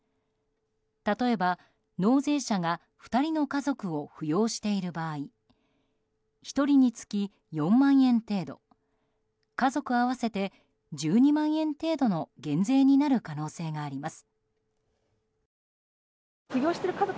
例えば、納税者が２人の家族を扶養している場合１人につき４万円程度家族合わせて１２万円程度の減税になる可能性があります。